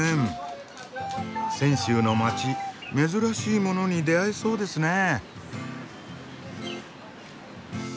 泉州の街珍しいものに出会えそうですねえ。